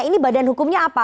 ini badan hukumnya apa